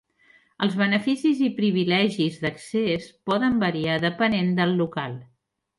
Els beneficis i privilegis d'accés poden variar depenent del local.